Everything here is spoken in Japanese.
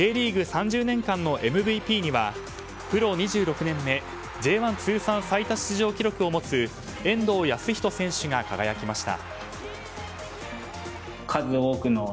３０年間のＭＶＰにはプロ２６年目Ｊ１通算最多出場記録を持つ遠藤保仁選手が輝きました。